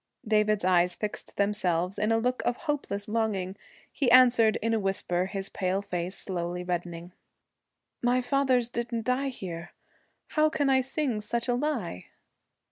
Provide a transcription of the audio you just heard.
David's eyes fixed themselves in a look of hopeless longing. He answered in a whisper, his pale face slowly reddening. 'My fathers didn't die here. How can I sing such a lie?'